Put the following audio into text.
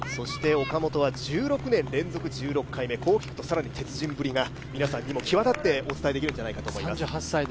岡本は１６年連続１６回目、こう聞くとさらに鉄人ぶりが皆さんにも際立ってお伝えできるんじゃないかと思います。